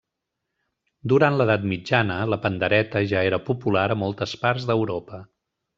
Durant l’edat mitjana, la pandereta ja era popular a moltes parts d’Europa.